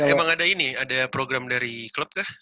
emang ada ini ada program dari klub kah